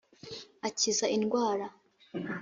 akiza indwara.